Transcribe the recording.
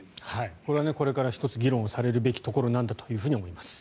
これはこれから１つ議論されるべきところなんだと思います。